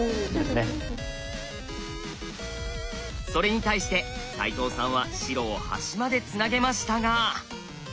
それに対して齋藤さんは白を端までつなげましたが。